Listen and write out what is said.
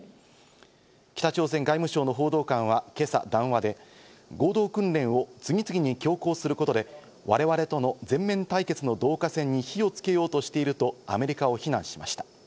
北朝鮮外務省の報道官は今朝談話で、合同訓練を次々に強行することで、我々との全面対決の導火線に火をつけようとしているとアメリカを非難しました。